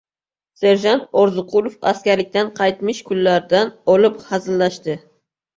Serjant Orziqulov askarlikdan qaytmish kunlardan olib hazillashdi.